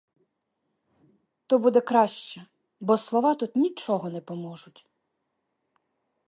То буде краще, бо слова тут нічого не поможуть.